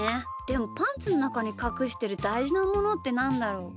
でもパンツのなかにかくしてるだいじなものってなんだろう？